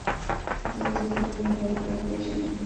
زه د فلمونو لوبغاړي پیژنم.